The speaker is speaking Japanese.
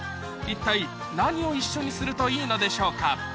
一体何を一緒にするといいのでしょうか？